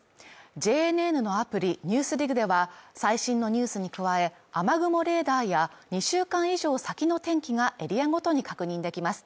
ＪＮＮのアプリ「ＮＥＷＳＤＩＧ」では最新のニュースに加え、雨雲レーダーや２週間以上先の天気がエリアごとに確認できます。